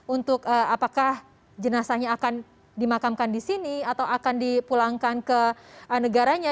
untuk apakah jenazahnya akan dimakamkan di sini atau akan dipulangkan ke negaranya